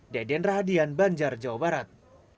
deden rahadian banjar jawa barat